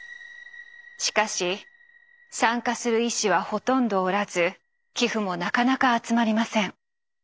しかし参加する医師はほとんどおらず寄付もなかなか集まりません。